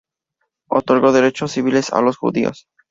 Otorgó derechos civiles a los judíos.